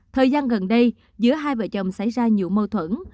thời gian gần đây giữa hai vợ chồng xảy ra nhiều mâu thuẫn